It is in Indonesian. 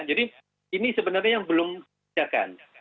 jadi ini sebenarnya yang belum dijelaskan